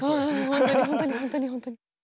本当に本当に本当に本当に。